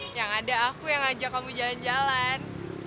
yang ada aku yang ajak kamu jalan jalan